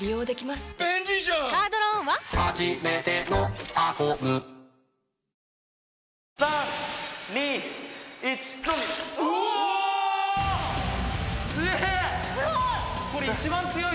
すごい。